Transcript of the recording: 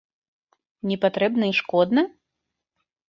Не патрэбна і шкодна?